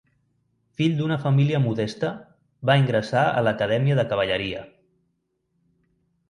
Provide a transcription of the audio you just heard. Fill d'una família modesta, va ingressar a l'Acadèmia de Cavalleria.